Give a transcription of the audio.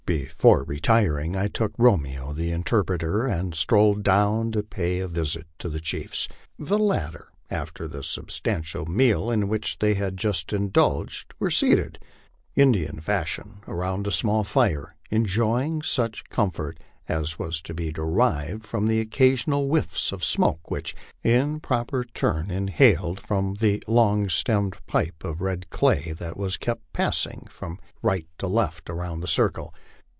Before retiring, I took Romeo, the interpreter, and strolled down to pay a visit to the chiefs. The latter, af ter the substantial meal in which they had just indulged, were seated, In dian fashion, around a small fire, enjoying such comfort as was to be derived from the occasional whiffs of smoke which each in proper turn inhaled from the long stemmed pipe of red clay that was kept passing from right to left around the circle.